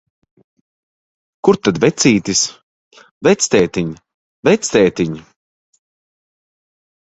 Kur tad vecītis? Vectētiņ, vectētiņ!